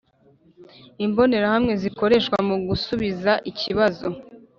imbonerahamwe zikoreshwa mu gusubiza ikibazo